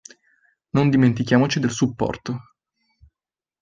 Non dimentichiamoci del supporto.